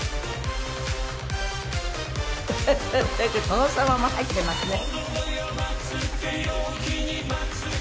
殿様も入っていますね。